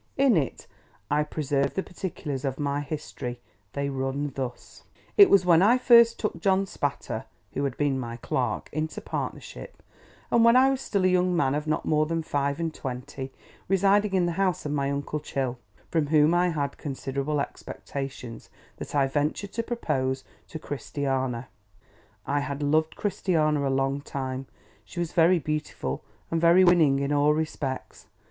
In it, I preserve the particulars of my history; they run thus: It was when I first took John Spatter (who had been my clerk) into partnership, and when I was still a young man of not more than five and twenty, residing in the house of my uncle Chill, from whom I had considerable expectations, that I ventured to propose to Christiana. I had loved Christiana a long time. She was very beautiful, and very winning in all respects.